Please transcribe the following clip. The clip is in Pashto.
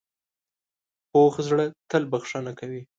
پوخ زړه تل بښنه کوي